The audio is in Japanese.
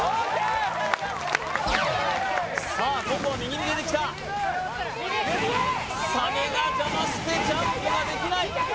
さあ今度は右に出てきたサメが邪魔してジャンプができない